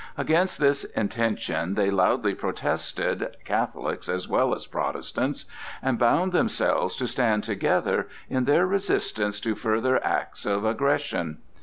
Against this intention they loudly protested, Catholics as well as Protestants, and bound themselves to stand together in their resistance to further acts of aggression.